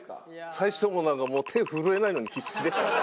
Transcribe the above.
最初なんかもう手震えないのに必死でしたね。